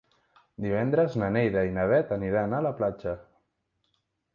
Divendres na Neida i na Bet aniran a la platja.